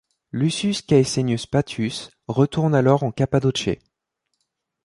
Lucius Caesennius Paetus retourne alors en Cappadoce.